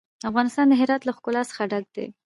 افغانستان د هرات له ښکلا څخه ډک دی.